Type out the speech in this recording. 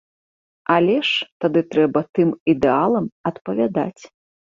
Але ж тады трэба тым ідэалам адпавядаць.